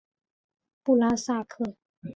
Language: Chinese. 布拉萨克。